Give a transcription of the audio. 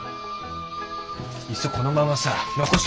いっそこのままさ残し。